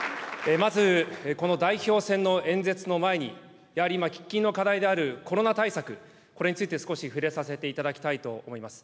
まずこの代表選の演説の前に、やはり今、喫緊の課題であるコロナ対策、これについて少し触れさせていただきたいと思います。